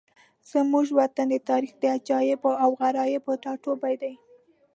زموږ وطن د تاریخ د عجایبو او غرایبو ټاټوبی دی.